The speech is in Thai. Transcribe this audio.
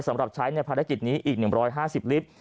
สำหรับใช้ในภารกิจนี้อีก๑๕๐ลิตร